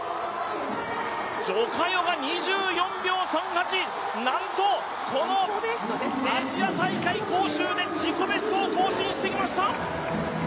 徐嘉余が２４秒３８、なんと、このアジア大会杭州で自己ベストをマークしました。